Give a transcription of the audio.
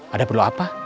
ada perlu apa